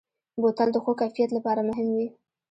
بوتل د ښو کیفیت لپاره مهم وي.